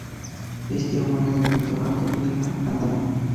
Es tía abuela del pintor Antonio de la Gándara.